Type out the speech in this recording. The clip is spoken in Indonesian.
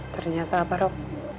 ternyata apa rob